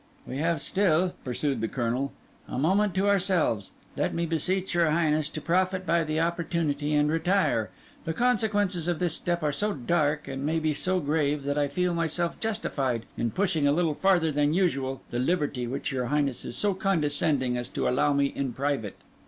"We have still," pursued the Colonel, "a moment to ourselves. Let me beseech your Highness to profit by the opportunity and retire. The consequences of this step are so dark, and may be so grave, that I feel myself justified in pushing a little farther than usual the liberty which your Highness is so condescending as to allow me in private."